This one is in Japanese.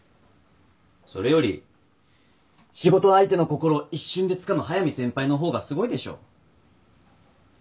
それより仕事相手の心を一瞬でつかむ速見先輩の方がすごいでしょ。